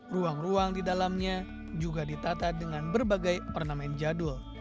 ruang ruang di dalamnya juga ditata dengan berbagai ornamen jadul